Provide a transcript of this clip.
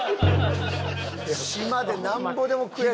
島でなんぼでも食える。